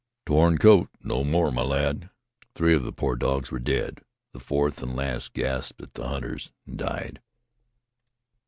"A torn coat no more, my lad." Three of the poor dogs were dead; the fourth and last gasped at the hunters and died.